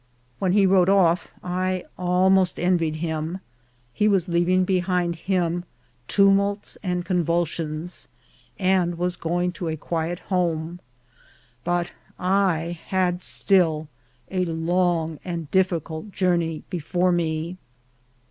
When he rode off I almost envied him ; he was leaving behind him tumults and convulsions, and was going to a cfuiet home, but I had still a long and difficult journey before me.